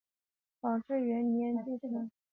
宝治元年继承青莲院门迹。